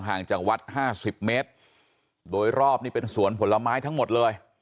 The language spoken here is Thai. ห่างจากวัด๕๐เมตรโดยรอบนี่เป็นสวนผลไม้ทั้งหมดเลย